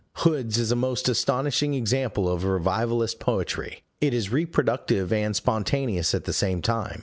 Hood's is a most astonishing example of revivalist poetry: it is reproductive and spontaneous at the same time.